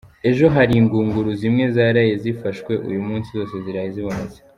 Ejo hari ingunguru zimwe zaraye zifashwe, uyu munsi zose ziraye zibonetse.